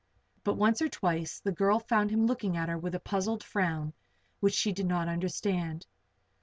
But once or twice the girl found him looking at her with a puzzled frown which she did not understand.